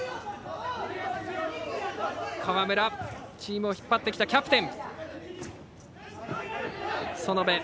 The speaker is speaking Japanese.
川村、チームを引っ張ってきたキャプテン。